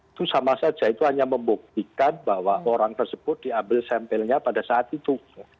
itu sama saja itu hanya membuktikan bahwa orang tersebut diambil sampelnya pada saat itu